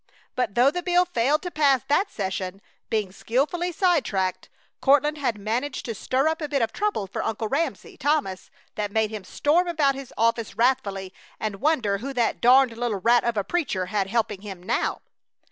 But though the bill failed to pass that session, being skilfully side tracked, Courtland had managed to stir up a bit of trouble for Uncle Ramsey Thomas that made him storm about his office wrathfully and wonder who that "darned little rat of a preacher" had helping him now!